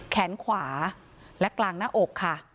แขนขวาและกลางหน้าอกค่ะ